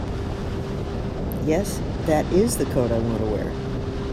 Yes, that IS the coat I want to wear.